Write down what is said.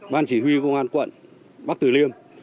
ban chỉ huy công an quận bắc tử liêm